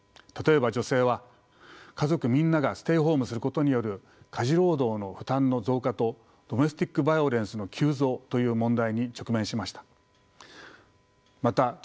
例えば女性は家族みんながステイホームすることによる家事労働の負担の増加とドメスティック・バイオレンスの急増という問題に直面しました。